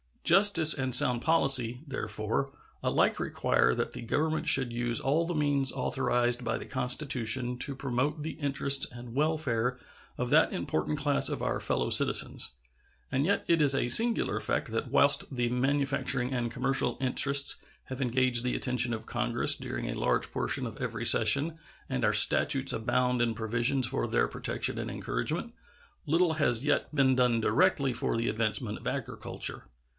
Justice and sound policy, therefore, alike require that the Government should use all the means authorized by the Constitution to promote the interests and welfare of that important class of our fellow citizens. And yet it is a singular fact that whilst the manufacturing and commercial interests have engaged the attention of Congress during a large portion of every session and our statutes abound in provisions for their protection and encouragement, little has yet been done directly for the advancement of agriculture.